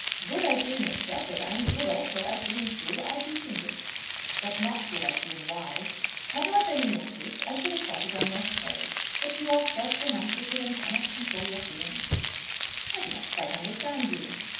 "Good as being expressive, and good also as being true, I do think it." "But not good as being wise?" "Had I been in your case I should have thought it unnecessary. But you are self demonstrative, and cannot control your feelings." "I do not quite understand you."